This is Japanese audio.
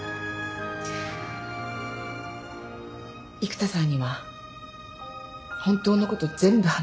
育田さんには本当のこと全部話すよ。